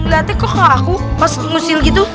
liatnya kok gak aku pas ngusil gitu